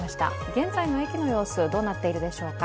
現在の駅の様子どうなっているでしょうか。